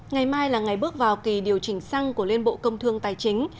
ngày mai là ngày bước vào kỳ điều chỉnh xăng của liên bộ công thương tài chính